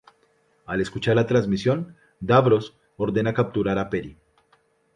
Al escuchar la transmisión, Davros ordena capturar a Peri.